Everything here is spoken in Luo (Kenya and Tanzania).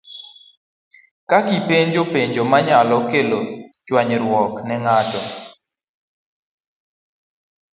Kik ipenj penjo manyalo kelo chwanyruok ne ng'ato